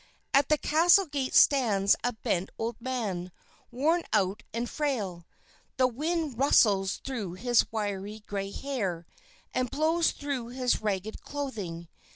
At the castle gate stands a bent old man, worn out and frail. The wind rustles through his wiry gray hair, and blows through his ragged clothing.